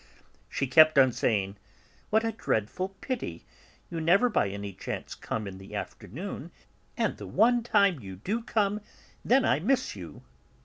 She kept on saying: "What a dreadful pity; you never by any chance come in the afternoon, and the one time you do come then I miss you."